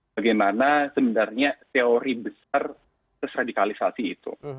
bagaimana sebenarnya teori besar radikalisasi itu